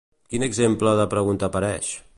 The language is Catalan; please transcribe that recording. Quin exemple de pregunta apareix?